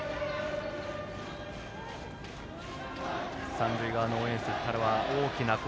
三塁側の応援席からは大きな声。